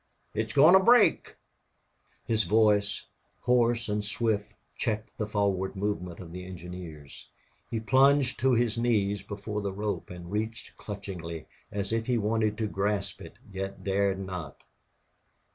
"It's a goin' to break!" His voice, hoarse and swift, checked the forward movement of the engineers. He plunged to his knees before the rope and reached clutchingly, as if he wanted to grasp it, yet dared not.